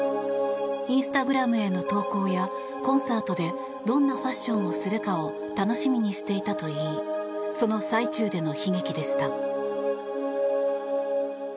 インスタグラムへの投稿やコンサートでどんなファッションをするか楽しみにしていたといいその最中での悲劇でした。